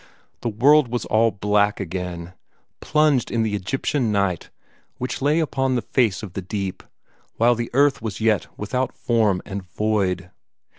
The world was all black again plunged in the Egyptian night which lay upon the face of the deep while the earth was yet without form and void.